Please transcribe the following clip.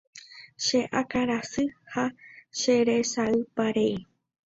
Che akãrasy ha cheresayparei.